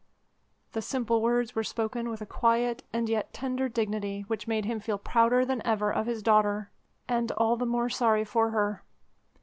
The simple words were spoken with a quiet and yet tender dignity which made him feel prouder than ever of his daughter and all the more sorry for her.